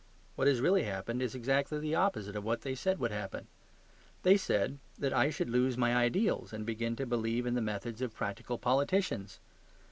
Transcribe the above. What has really happened is exactly the opposite of what they said would happen. They said that I should lose my ideals and begin to believe in the methods of practical politicians.